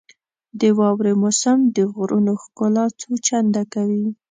• د واورې موسم د غرونو ښکلا څو چنده کوي.